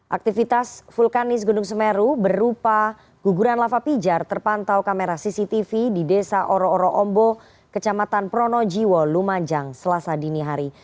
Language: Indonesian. aktivitas vulkanis gunung semeru berupa guguran lava pijar terpantau kamera cctv di desa oro oro ombo kecamatan pronojiwo lumajang selasa dini hari